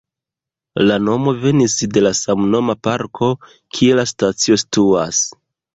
La nomo venis de la samnoma parko, kie la stacio situas.